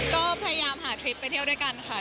ก็พยายามหาทริปไปเที่ยวด้วยกันค่ะ